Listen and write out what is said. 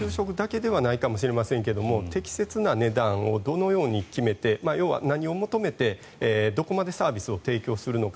給食だけではないかもしれませんが適正な価格をどう決めて何を求めてどこまでサービスを提供するのか。